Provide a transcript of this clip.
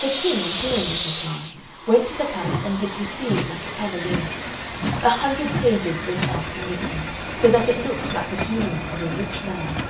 The King, on hearing this reply, went to the palace and was received like a cavalier. A hundred pages went out to meet him, so that it looked like the funeral of a rich man.